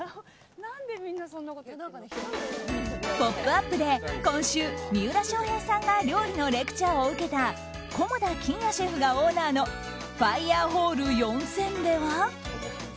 「ポップＵＰ！」で今週三浦翔平さんが料理のレクチャーを受けた菰田欣也シェフがオーナーのファイヤーホール４０００では。